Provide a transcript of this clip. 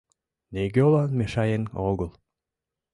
Нигӧлан мешаен огыл.